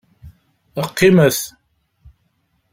Qqimet!